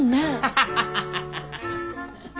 ハハハハハ！